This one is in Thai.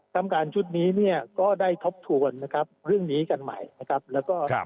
ทำการชุดนี้เนี่ยก็ได้ทบทวนนะครับเรื่องนี้กันใหม่นะครับแล้วก็ครับ